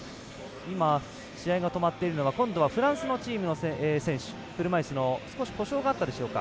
試合が止まっているのは今度はフランスのチームの選手車いすの少し故障があったでしょうか。